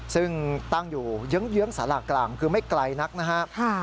ซึ่งตั้งอยู่เยื้องสารากลางคือไม่ไกลนักนะครับ